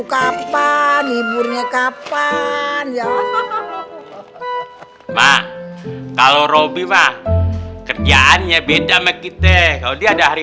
kapan iburnya kapan ya mak kalau robby mah kerjaannya beda makita kalau dia ada hari